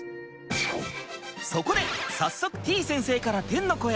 そこで早速てぃ先生から天の声！